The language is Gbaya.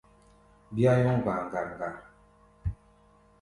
Bíá nyɔ́ŋ gba̧a̧ ŋgar-ŋgar.